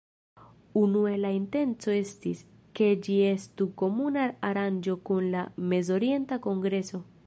Unue la intenco estis, ke ĝi estu komuna aranĝo kun la Mezorienta Kongreso.